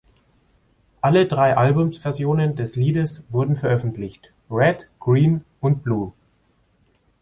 Alle drei Albumversionen des Liedes wurden veröffentlicht: Red, Green und Blue.